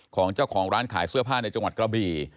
ของเจ้าของร้านขายเสื้อผ้าในจังหวัดกระบี่